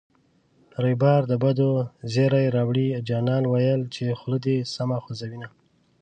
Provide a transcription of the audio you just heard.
ریبار د بدو زېری راووړـــ جانان ویل چې خوله دې سمه خوزوینه